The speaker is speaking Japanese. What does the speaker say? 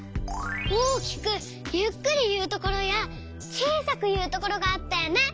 大きくゆっくりいうところやちいさくいうところがあったよね。